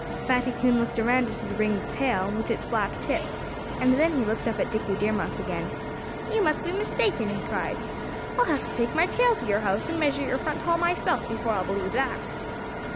Fatty Coon looked around at his ringed tail, with its black tip; and then he looked up at Dickie Deer Mouse again. "You must be mistaken!" he cried. "I'll have to take my tail to your house and measure your front hall myself before I'll believe that."